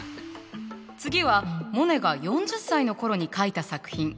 次はモネが４０歳の頃に描いた作品。